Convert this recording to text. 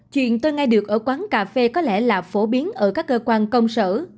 chuyện tôi nghe được ở quán cà phê có lẽ là phổ biến ở các cơ quan công sở